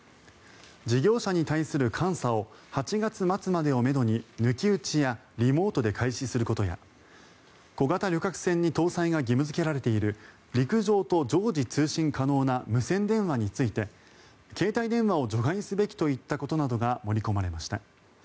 事業者に対する監査を８月末までをめどに抜き打ちやリモートで開始することや小型旅客船に搭載が義務付けられている陸上と常時通信可能な無線電話について携帯電話を除外すべきといったことなどが盛り込まれました。